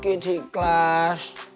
oke di ikhlas